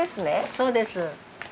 そうです。